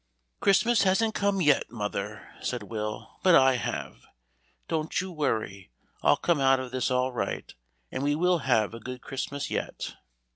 "Christmas hasn't come yet, mother," said Will, "but I have. Don't you worry; I'll come out of this all right, and we will have a good Christmas yet."